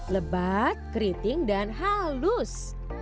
lebat keriting dan halus